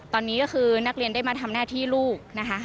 ตอนนี้ก็คือนักเรียนได้มาทำหน้าที่ลูกนะคะ